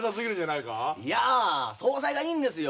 いや総裁がいいんですよ。